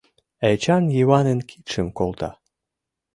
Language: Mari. Эчан Йыванын кидшым колта.